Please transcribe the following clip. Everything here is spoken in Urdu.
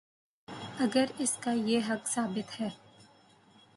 اگراس کا یہ حق ثابت ہے۔